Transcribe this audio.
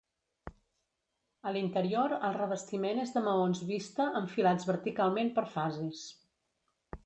A l'interior el revestiment és de maons vista enfilats verticalment per fases.